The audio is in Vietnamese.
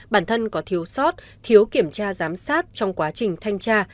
bản thân có thiếu sót thiếu kiểm tra giám sát trong quá trình thanh tra